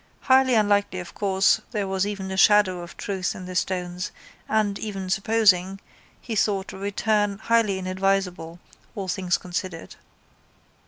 Highly unlikely of course there was even a shadow of truth in the stones and, even supposing, he thought a return highly inadvisable, all things considered.